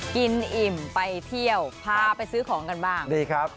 อิ่มไปเที่ยวพาไปซื้อของกันบ้างดีครับ